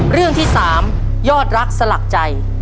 เรื่องที่๓ยอดรักสลักใจ